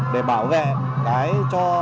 để bảo vệ cái cho